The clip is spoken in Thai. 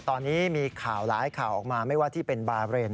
ตอนนี้มีข่าวหลายข่าวออกมาไม่ว่าที่เป็นบาเรน